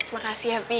makasih ya pi ya